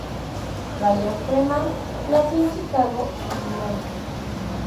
Brian Freeman nació en Chicago, Illinois.